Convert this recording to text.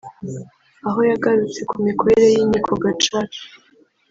aho yagarutse ku mikorere y’Inkiko Gacaca